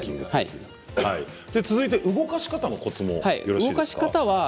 続いて動かし方のコツもよろしいですか？